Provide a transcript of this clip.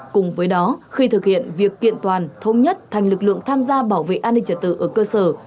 cùng với đó khi thực hiện việc kiện toàn thống nhất thành lực lượng tham gia bảo vệ an ninh trật tự ở cơ sở